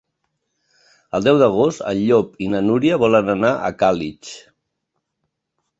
El deu d'agost en Llop i na Núria volen anar a Càlig.